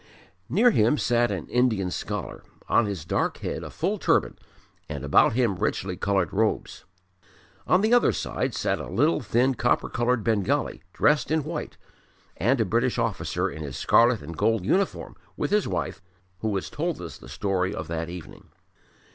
Near him sat an Indian scholar on his dark head a full turban, and about him richly coloured robes. On the other side sat a little, thin, copper coloured Bengali dressed in white, and a British officer in his scarlet and gold uniform, with his wife, who has told us the story of that evening.